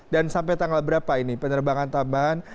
dan sampai tanggal berapa ini penerbangan tambahan